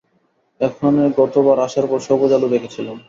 এখানে গতবার আসার পর, সবুজ আলো দেখেছিলাম।